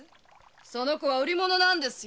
その子は売りものなんですよ。